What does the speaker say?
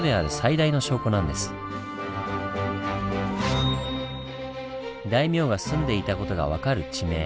大名が住んでいた事が分かる地名